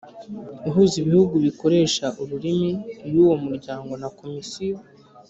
Uhuza ibihugu bikoresha ururimi y uwo muryango na komisiyo